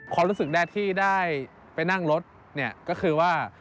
ความรู้สึกแรกที่ได้ไปนั่งรถเนี่ยก็คือว่า